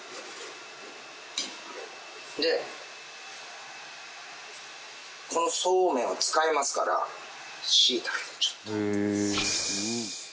でこのそうめんは使えますからしいたけでちょっと。